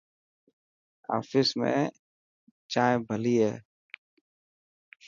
آفيس ۾ چائنا ڀلي هي.